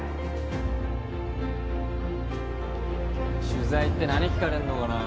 取材って何聞かれるのかな